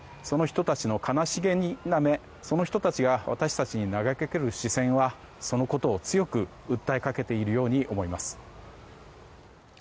その人たちの悲しげな目その人たちが私たちに投げかける視線はそのことを強く訴えかけているように思います。